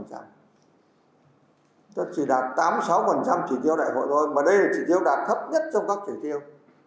chúng ta chỉ đạt tám mươi sáu chỉ tiêu đại hội thôi mà đây là chỉ tiêu đạt thấp nhất trong các chỉ tiêu